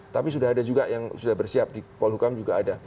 tapi sudah ada juga yang sudah bersiap di polhukam juga ada